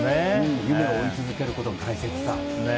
夢を追い続けることの大切さ。